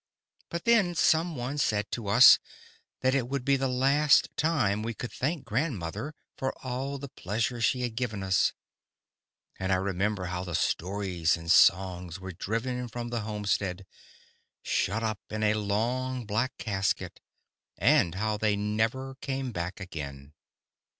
But then some one said to us that it would be the last time we could thank grandmother for all the pleasure she had given us. And I remember how the stories and songs were driven from the homestead, shut up in a long black casket, and how they never came back again.